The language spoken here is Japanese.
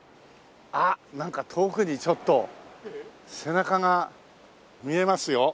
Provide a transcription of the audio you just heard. あっなんか遠くにちょっと背中が見えますよ。